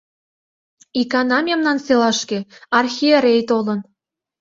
Икана мемнан селашке архиерей толын.